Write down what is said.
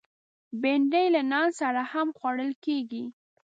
بېنډۍ له نان سره هم خوړل کېږي